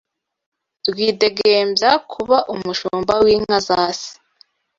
Rwidegembya kuba umushumba w’inka za se